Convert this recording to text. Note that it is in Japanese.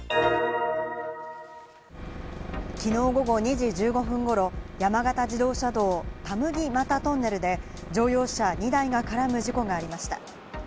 昨日午後２時１５分頃、山形自動車道・田麦俣トンネルで、乗用車２台が絡む事故がありました。